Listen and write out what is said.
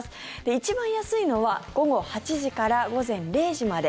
一番安いのは午後８時から午前０時まで。